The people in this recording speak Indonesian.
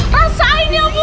rasain ya bu